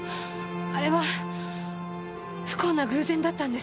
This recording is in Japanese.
あれは不幸な偶然だったんです。